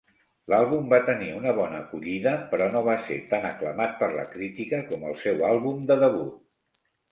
L'àlbum va tenir una bona acollida, però no va ser tan aclamat per la crítica com el seu àlbum de debut.